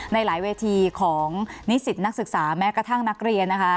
ในหลายเวทีของนิสิตนักศึกษาแม้กระทั่งนักเรียนนะคะ